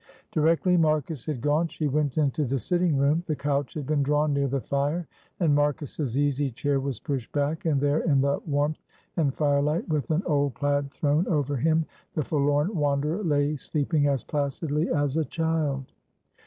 Directly Marcus had gone she went into the sitting room; the couch had been drawn near the fire and Marcus's easy chair was pushed back, and there in the warmth and firelight, with an old plaid thrown over him, the forlorn wanderer lay sleeping as placidly as a child.